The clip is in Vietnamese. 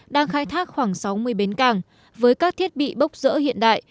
đang khai thác khoảng sáu mươi bến cảng với các thiết bị bốc rỡ hiện đại